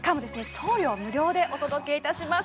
送料無料でお届けいたします